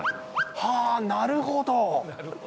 はー、なるほど。